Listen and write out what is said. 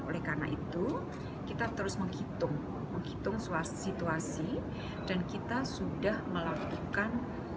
oleh karena itu kita terus menghitung situasi dan kita sudah melakukan